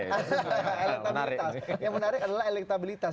yang menarik adalah elektabilitas